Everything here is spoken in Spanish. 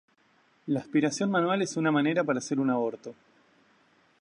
La aspiración manual es una manera para hacer un aborto.